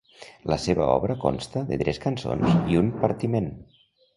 La seva obra consta de tres cançons i un partiment.